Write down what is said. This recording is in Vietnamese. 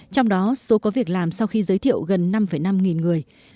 trong đó số có việc làm sau khi giới thiệu gần năm năm nghìn người